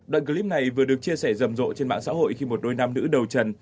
đoạn clip này vừa được chia sẻ rầm rộ trên mạng xã hội khi một đôi nam nữ đầu trần